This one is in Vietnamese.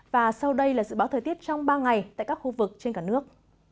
và sau đây là dự báo thời tiết trong ba ngày tại các khu vực trên cả nước